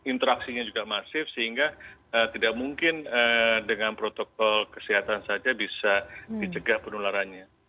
interaksinya juga masif sehingga tidak mungkin dengan protokol kesehatan saja bisa dicegah penularannya